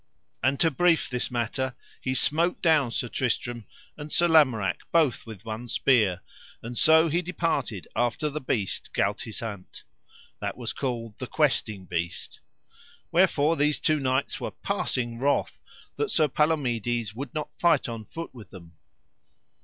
And to brief this matter he smote down Sir Tristram and Sir Lamorak both with one spear; and so he departed after the beast Galtisant, that was called the Questing Beast; wherefore these two knights were passing wroth that Sir Palomides would not fight on foot with them.